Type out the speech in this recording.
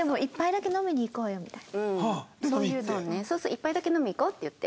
「１杯だけ飲み行こう」って言って。